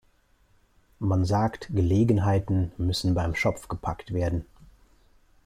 Man sagt, Gelegenheiten müssen beim Schopf gepackt werden.